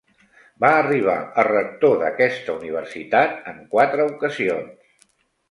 Va arribar a rector d'aquesta universitat en quatre ocasions.